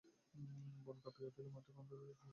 বন কাঁপিয়া উঠিল, মাঠের প্রান্তে গিয়া সে সুর মিলাইয়া গেল।